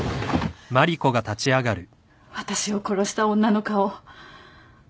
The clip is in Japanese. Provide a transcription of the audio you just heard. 私を殺した女の顔。